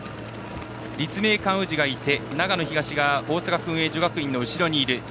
立命館宇治がいて、長野東が大阪薫英女学院の後ろにいる。